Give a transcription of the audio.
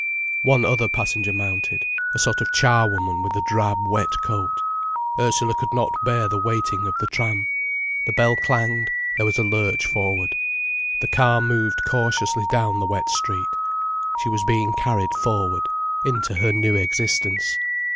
One other passenger mounted—a sort of charwoman with a drab, wet coat. Ursula could not bear the waiting of the tram. The bell clanged, there was a lurch forward. The car moved cautiously down the wet street. She was being carried forward, into her new existence.